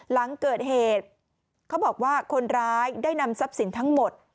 หลังเกิดเหตุเขาบอกว่าคนร้ายได้นำทรัพย์สินทั้งหมด